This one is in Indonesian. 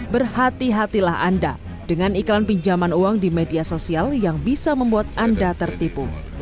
berhati hatilah anda dengan iklan pinjaman uang di media sosial yang bisa membuat anda tertipu